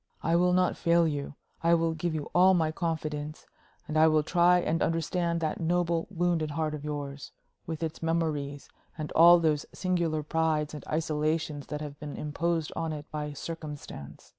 I will not fail you, I will give you all my confidence; and I will try and understand that noble, wounded heart of yours, with its memories, and all those singular prides and isolations that have been imposed on it by circumstance.